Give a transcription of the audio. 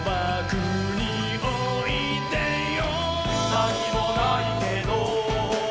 「なにもないけど」